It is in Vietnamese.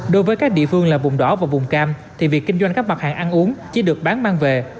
đối với các địa phương là vùng đỏ và vùng cam thì việc kinh doanh các mặt hàng ăn uống chỉ được bán mang về